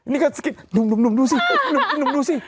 นี่ก่อนสักทีดูซิ